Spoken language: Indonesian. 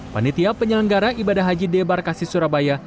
panitia penyelenggara ibadah haji d barkasi surabaya